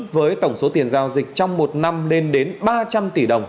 với tổng số tiền giao dịch trong một năm lên đến ba trăm linh tỷ đồng